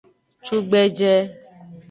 Cugbeje.